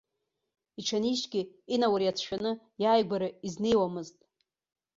Иҽанишьгьы инаур иацәшәаны иааигәара изнеиуамызт.